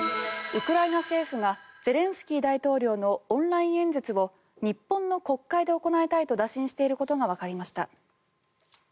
ウクライナ政府がゼレンスキー大統領のオンライン演説を日本の国会で行いたいと打診していることがわかりました。